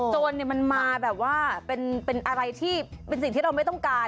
โจรมันมาแบบว่าเป็นอะไรที่เป็นสิ่งที่เราไม่ต้องการ